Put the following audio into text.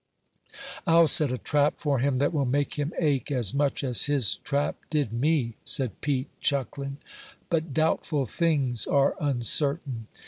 "I'll set a trap for him that will make him ache as much as his trap did me," said Pete, chuckling. But doubtful things are uncertain.